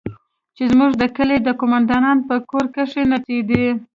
چې زموږ د کلي د قومندان په کور کښې نڅېده.